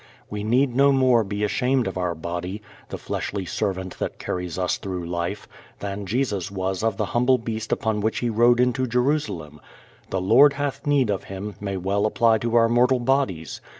We need no more be ashamed of our body the fleshly servant that carries us through life than Jesus was of the humble beast upon which He rode into Jerusalem. "The Lord hath need of him" may well apply to our mortal bodies.